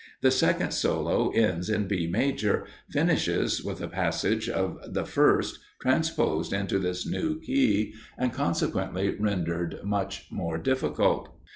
The second solo ends in B major, finishes with the passage of the first, transposed into this new key, and consequently rendered much more difficult.